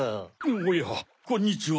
おやこんにちは